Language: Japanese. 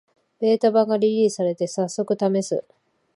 ベータ版がリリースされて、さっそくためす